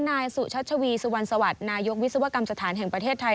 นายสุชัชวีสุวรรณสวัสดิ์นายกวิศวกรรมสถานแห่งประเทศไทย